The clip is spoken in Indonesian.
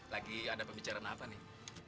lagi ada pembicaraan apa nih